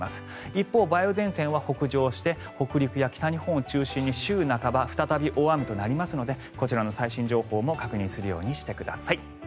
一方、梅雨前線は北上して北陸や北日本を中心に週半ばに再び大雨となりますのでこちらの最新情報も確認するようにしてください。